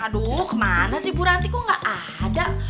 aduh kemana sih buranti kok gak ada